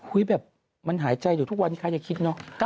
แบบมันหายใจอยู่ทุกวันนี้ใครจะคิดเนอะ